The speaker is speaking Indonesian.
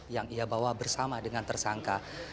yang ia bawa bersama dengan tersangka